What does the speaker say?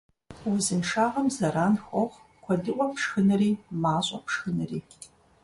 Узыншагъэм зэран хуохъу куэдыӀуэ пшхынри мащӀэ пшхынри.